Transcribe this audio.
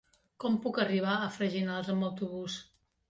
Com puc arribar a Freginals amb autobús?